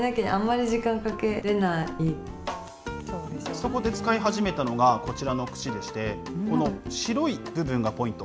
そこで使い始めたのが、こちらのくしでして、この白い部分がポイント。